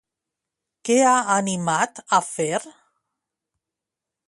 Què ha animat a fer?